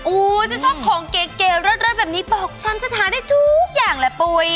อู้วจะชอบของเก๋รสแบบนี้บอกฉันฉันทานให้ทุกอย่างแหละปุ๋ย